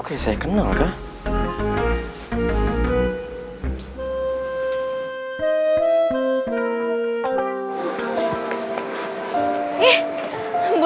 kayak gitu lo mau